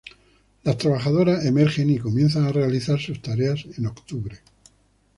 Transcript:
Las trabajadoras emergen y comienzan a realizar sus tareas en octubre.